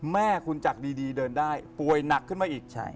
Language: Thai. แม่คุณจากดีเดินได้ป่วยหนักขึ้นมาอีก